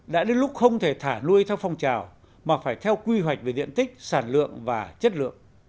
đã đến lúc không thể thả nuôi theo phong trào mà phải theo quy hoạch về diện tích sản lượng và chất lượng